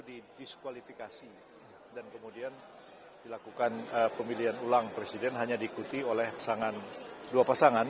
didiskualifikasi dan kemudian dilakukan pemilihan ulang presiden hanya diikuti oleh pasangan dua pasangan